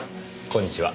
こんにちは。